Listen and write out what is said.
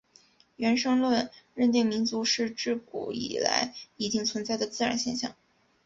原生论认定民族是至古以来已经存在的自然现象。